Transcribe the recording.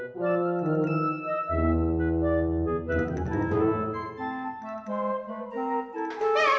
kami mau ke tempat terbaik